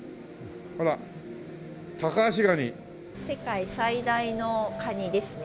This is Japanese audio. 世界最大のカニですね。